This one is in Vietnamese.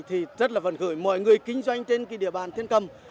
thì rất là phần khởi mọi người kinh doanh trên địa bàn thiên cầm